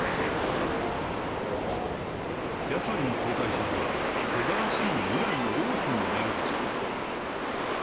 キャサリン皇太子妃は、すばらしい未来の王妃になるでしょう。